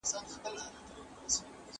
هم تر نارنج هم تر انار ښکلی دی